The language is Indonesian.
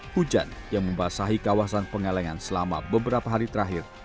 hujan yang membasahi kawasan pengalengan selama beberapa hari terakhir